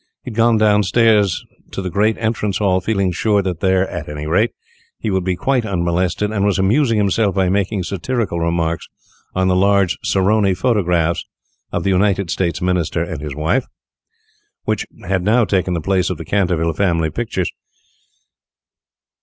He had gone down stairs to the great entrance hall, feeling sure that there, at any rate, he would be quite unmolested, and was amusing himself by making satirical remarks on the large Saroni photographs of the United States Minister and his wife which had now taken the place of the Canterville family pictures.